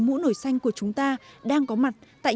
bởi vì như chúng ta đã nói trước